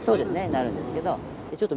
なるんですけど。